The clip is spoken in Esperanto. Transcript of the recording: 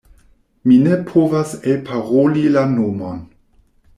Mi ne povas elparoli la nomon.